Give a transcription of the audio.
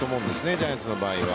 ジャイアンツの場合は。